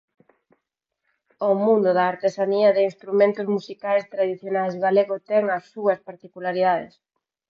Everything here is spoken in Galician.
O mundo da artesanía de instrumentos musicais tradicionais galego ten as súas particularidades.